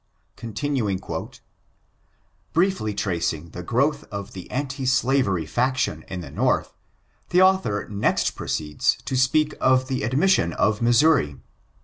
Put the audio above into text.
" Briefly tracing the growth of the anti slavery faction in the North, the author next proceeds to speak of the admission of Missouri.